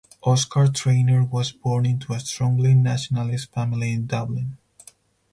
Oscar Traynor was born into a strongly nationalist family in Dublin.